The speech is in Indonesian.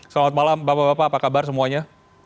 selamat malam bapak bapak apa kabar semuanya